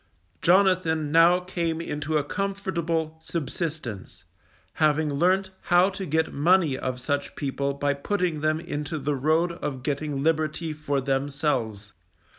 Jonathan now came into a comfortable subsistence, having learnt how to get money of such people by putting them into the road of getting liberty for themselves.